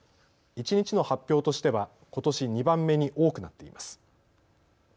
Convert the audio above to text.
一日の発表としてはことし２番目に多くなっています。